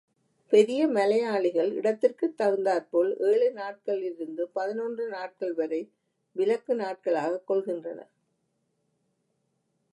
பெரிய மலையாளிகள் இடத்திற்குத் தகுந்தாற்போல் ஏழு நாட்களிலிருந்து பதினொன்று நாட்கள் வரை விலக்கு நாட்களாகக் கொள்கின்றனர்.